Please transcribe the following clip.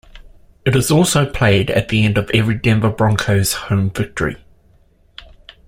It is also played at the end of every Denver Broncos home victory.